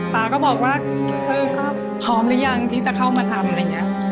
ตาก็บอกว่าเออก็พร้อมหรือยังที่จะเข้ามาทำอะไรอย่างนี้